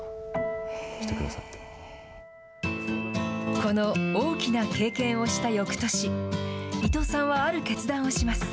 この大きな経験をしたよくとし、伊藤さんはある決断をします。